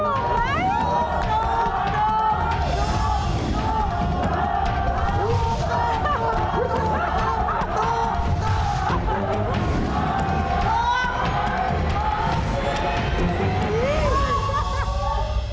ถูกถูกไหม